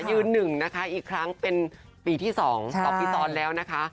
ยืน๑อีกครั้งเป็นปีที่๒ต่อพี่ตอนแล้วนะคะ